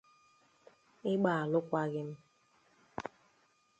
ịgba alụkwaghị m